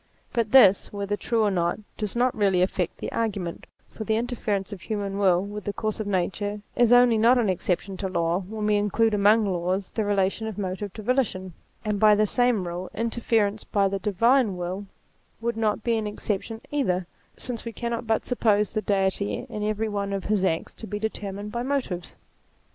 But this, whether true or not, does not really affect the argument: for the interference of human will with the course of nature is only not an exception to law when we include among laws the relation of motive to volition ; and by the same rule interference by the Q 228 THEISM Divine will would not be an exception either ; since we cannot but suppose the Deity, in every one of his acts, to be determined by motives.